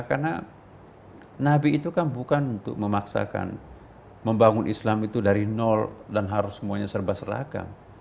karena nabi itu kan bukan untuk memaksakan membangun islam itu dari nol dan harus semuanya serba seragam